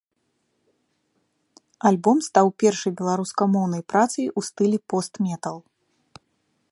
Альбом стаў першай беларускамоўнай працай у стылі пост-метал.